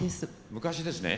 昔ですね